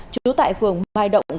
chú tại phường mai động